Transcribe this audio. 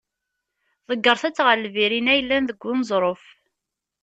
Ḍeggert-tt ɣer lbir inna yellan deg uneẓruf.